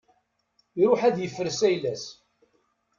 Iruḥ ad yefres ayla-s.